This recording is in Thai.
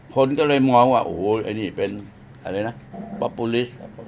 คนก็เลยมองว่าโอ้โหไอ้นี่เป็นอะไรนะป๊อปปูลิสต์